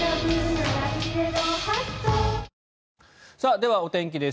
ではお天気です。